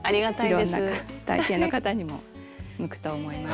いろんな体型の方にも向くと思います。